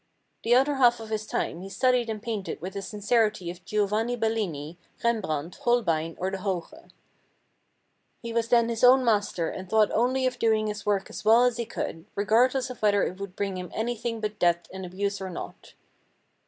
The other half of his time he studied and painted with the sincerity of Giovanni Bellini, Rembrandt, Holbein or De Hooghe. He was then his own master and thought only of doing his work as well as he could, regardless of whether it would bring him anything but debt and abuse or not.